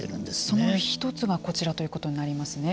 その１つがこちらということになりますね。